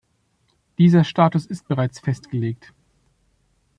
Dieser Status ist bereits festgelegt.